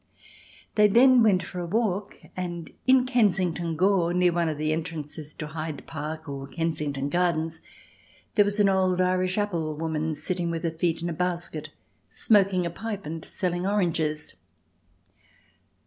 They then went for a walk and, in Kensington Gore, near one of the entrances to Hyde Park or Kensington Gardens, there was an old Irish apple woman sitting with her feet in a basket, smoking a pipe and selling oranges.